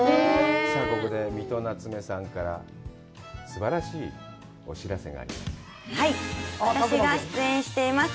ここで三戸なつめさんからすばらしいお知らせがあります。